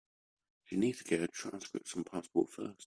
She needs to get her transcripts and passport first.